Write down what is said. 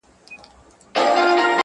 o مور تر ټولو زياته ځورېږي تل,